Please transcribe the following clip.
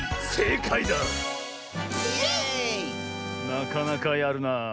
なかなかやるなあ。